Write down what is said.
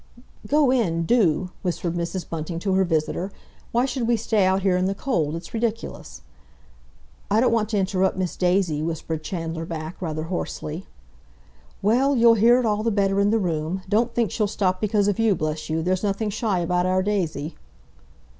"Go in—do!" whispered Mrs. Bunting to her visitor. "Why should we stay out here in the cold? It's ridiculous." "I don't want to interrupt Miss Daisy," whispered Chandler back, rather hoarsely. "Well, you'll hear it all the better in the room. Don't think she'll stop because of you, bless you! There's nothing shy about our Daisy!"